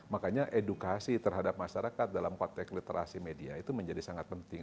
makanya edukasi terhadap masyarakat dalam praktek literasi media itu menjadi sangat penting